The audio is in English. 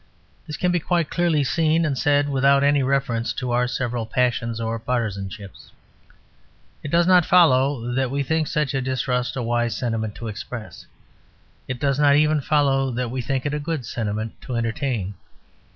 This can be quite clearly seen and said without any reference to our several passions or partisanships. It does not follow that we think such a distrust a wise sentiment to express; it does not even follow that we think it a good sentiment to entertain.